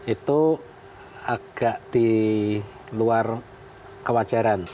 itu agak di luar kewajaran